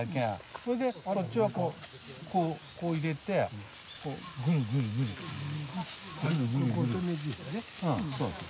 そいでこっちはこうこう入れてこうぐるぐるぐる。